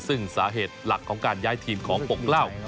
ซึ่งสาเหตุหลักของการย้ายทีมของปกเหล้า